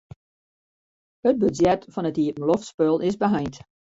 It budzjet fan it iepenloftspul is beheind.